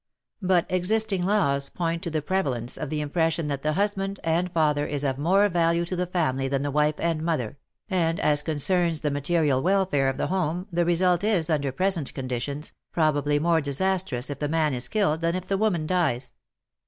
But 230 WAR AND WOMEN existing laws point to the prevalence of the impression that the husband and father is of more value to the family than the wife and mother, and, as concerns the material welfare of the home, the result is, under present conditions, probably more disastrous if the man is killed than if the woman dies.